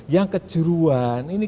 yang kejuruan ini